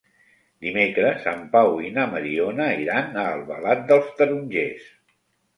Dimecres en Pau i na Mariona iran a Albalat dels Tarongers.